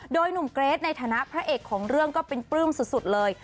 โดยหนุ่มเกรทในฐานะพระเอกของเรื่องก็เป็นปลื้มสุดเลย